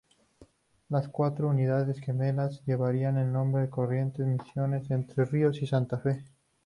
Las cuatro unidades gemelas llevarían los nombres "Corrientes", "Misiones", "Entre Ríos" y "Santa Fe".